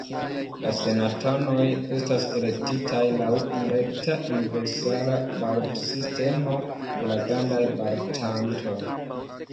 La senatanoj estas elektitaj laŭ nerekta universala balotsistemo de la grandaj balotantoj.